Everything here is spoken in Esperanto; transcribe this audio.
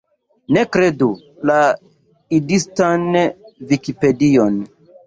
Ne kredu la Idistan Vikipedion!